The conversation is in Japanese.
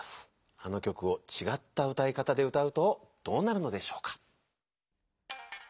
あの曲をちがった歌い方で歌うとどうなるのでしょうか？